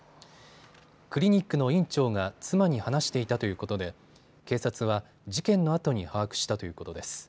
クリニックの院長が妻に話していたということで警察は事件のあとに把握したということです。